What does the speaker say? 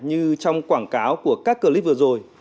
như trong quảng cáo của các clip vừa rồi